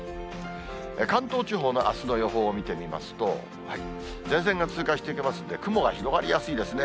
関東地方のあすの予報を見てみますと、前線が通過していきますんで、雲が広がりやすいですね。